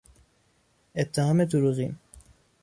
اتهام دروغین